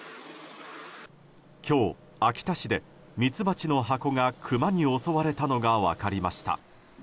今日、秋田市でミツバチの箱がクマに襲われたのが分かりました。